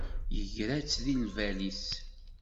Yegra-tt deg lbal-is.